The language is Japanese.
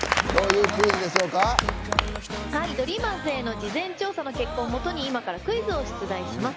ＤＲＥＡＭＥＲＳへの事前調査の結果をもとに今からクイズを出題します。